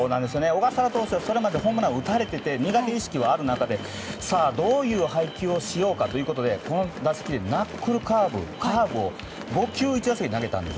小笠原投手は、それまでホームランを打たれていて苦手意識はある中でどういう配球をしようかということでこの打席でナックルカーブを５球、１打席に投げた。